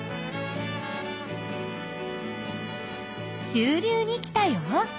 中流に来たよ。